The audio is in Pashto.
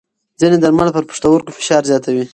ځینې درمل پر پښتورګو فشار زیاتوي.